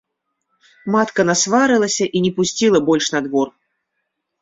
Матка насварылася і не пусціла больш на двор.